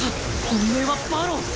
本命は馬狼